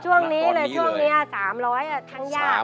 ตอนนี้เลยช่วงนี้๓๐๐บาททั้งยาก